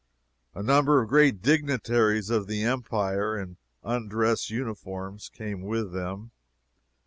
A number of great dignitaries of the Empire, in undress unit forms, came with them.